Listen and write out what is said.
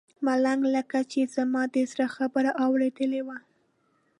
ملنګ لکه چې زما د زړه خبره اورېدلې وي.